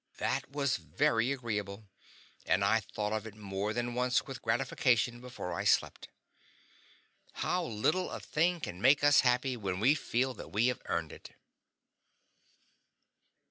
That was very agreeable, and I thought of it more than once with gratification before I slept. How little a thing can make us happy when we feel that we have earned it!